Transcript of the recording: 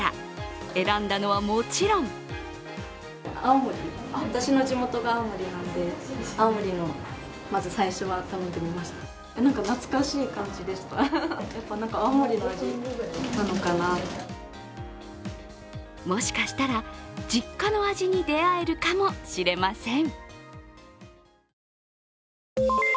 選んだのはもちろんもしかしたら実家の味に出会えるかもしれません。